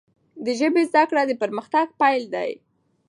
د ژبي زده کړه، د پرمختګ پیل دی.